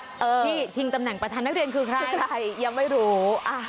ที่ชิงตำแหน่งประธานนักเรียนคือใครยังไม่รู้